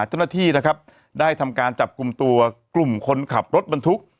เจ้าหน้าที่นะครับได้ทำการจับกลุ่มตัวกลุ่มคนขับรถบรรทุก